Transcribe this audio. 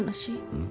うん？